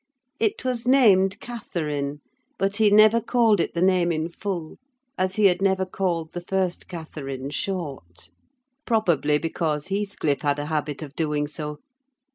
It was named Catherine; but he never called it the name in full, as he had never called the first Catherine short: probably because Heathcliff had a habit of doing so.